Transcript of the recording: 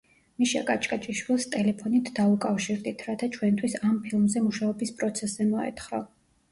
მიშა კაჭკაჭიშვილს ტელეფონით დავუკავშირდით, რათა ჩვენთვის ამ ფილმზე მუშაობის პროცესზე მოეთხრო.